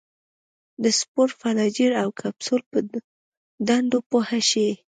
د سپور، فلاجیل او کپسول په دندو پوه شي.